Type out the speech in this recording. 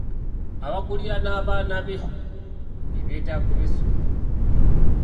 Abagulira n'abaana be ebyetaago by'essomero.